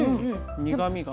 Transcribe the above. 苦みが。